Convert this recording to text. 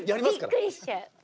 びっくりしちゃう。